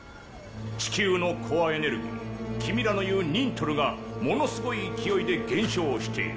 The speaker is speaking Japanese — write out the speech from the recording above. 地球のコアエネルギーキミらの言うニントルがものすごい勢いで減少している。